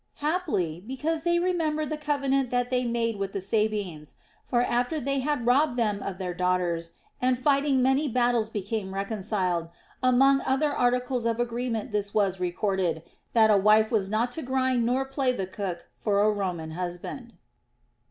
Haply, because they remembered the covenant that they made with the Sabines ; for after they had robbed them of their daughters, and lighting many battles became reconciled, among other articles of agreement this was re corded, that a wife was not to grind nor play the cook for a Roman husband.